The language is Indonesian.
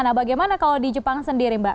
nah bagaimana kalau di jepang sendiri mbak